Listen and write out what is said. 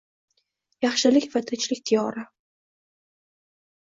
Yaxshilik va tinchlik diyori